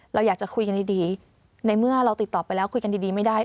เราอยากจะคุยกันดีในเมื่อเราติดต่อไปแล้วคุยกันดีไม่ได้